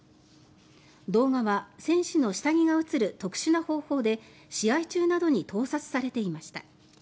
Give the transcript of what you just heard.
動画は選手の下着が映る特殊な方法で試合中などに盗撮されていました。